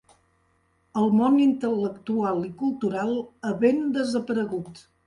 El món intel·lectual i cultural ha ben desaparegut.